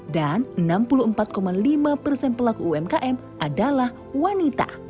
dan enam puluh empat lima persen pelaku umkm adalah wanita